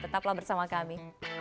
tetaplah bersama kami